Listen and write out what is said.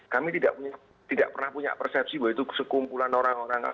kami tidak pernah punya persepsi bahwa itu sekumpulan orang orang